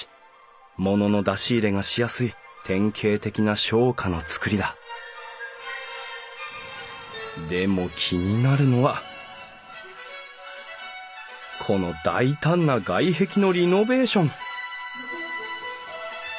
ものの出し入れがしやすい典型的な商家の造りだでも気になるのはこの大胆な外壁のリノベーション！